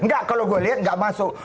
gak kalau gue liat gak masuk